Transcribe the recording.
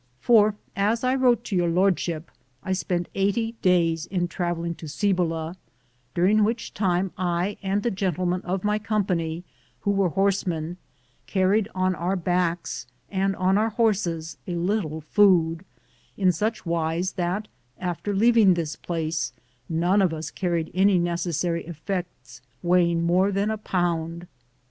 For, as I wrote to Your Lordship, I spent eighty days in traveling to Guliacan, 1 daring which time I and the gen tlemen of my company, who were horsemen, carried on our backs and on our horses a lit tle food, in such wise that after leaving this place none of us carried any necessary effects weighing more than a pound.